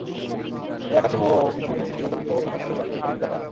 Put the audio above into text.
হে আকাশসমূহ ও পৃথিবীর সৃষ্টিকর্তা, গুপ্ত ও প্রকাশ্য সবকিছুর পরিজ্ঞাতা!